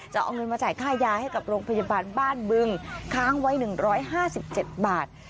จะเอาเงินมาจ่ายค่ายาให้กับโรงพยาบาลบ้านเบิ่งค้างไว้หนึ่งร้อยห้าสิบเจ็ดบาท